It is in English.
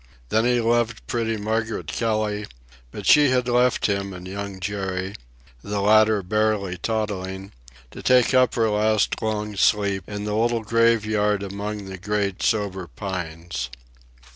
Then he loved pretty Margaret Kelly; but she had left him and Young Jerry, the latter barely toddling, to take up her last long sleep in the little graveyard among the great sober pines.